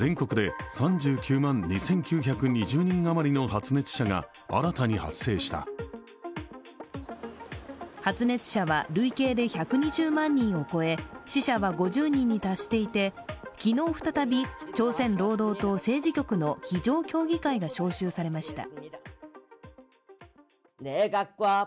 発熱者は累計で１２０万人を超え死者は５０人に達していて昨日再び朝鮮労働党政治局の非常協議会が招集されました。